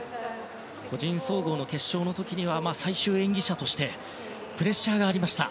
個人総合の決勝の時には最終演技者としてプレッシャーがありました。